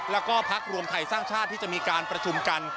แล้วก็พักรวมไทยสร้างชาติที่จะมีการประชุมกัน